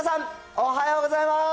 おはようございます。